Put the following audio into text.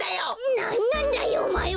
なんなんだよおまえは！